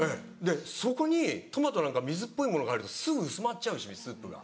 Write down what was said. そこにトマトなんか水っぽいものが入るとすぐ薄まっちゃうしスープが。